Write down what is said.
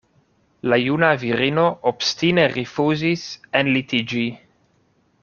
La juna virino obstine rifuzis enlitiĝi.